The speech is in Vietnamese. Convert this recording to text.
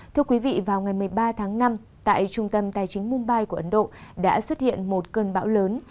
thưa quý vị vào ngày một mươi ba tháng năm tại trung tâm tài chính mumbai của ấn độ đã xuất hiện một cơn bão lớn